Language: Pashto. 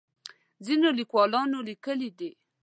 ځینو لیکوالانو لیکلي دي.